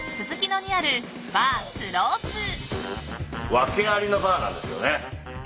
訳ありなバーなんですよね。